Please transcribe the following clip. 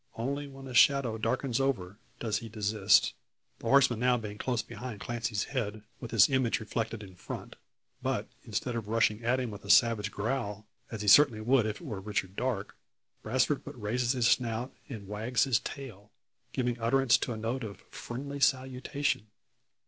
Only when a shadow darkens over, does he desist; the horseman being now close behind Clancy's head, with his image reflected in front. But instead of rushing at him with savage growl, as he certainly would were it Richard Darke Brasfort but raises his snout, and wags his tail, giving utterance to a note of friendly salutation!